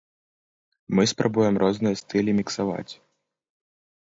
Мы спрабуем розныя стылі міксаваць.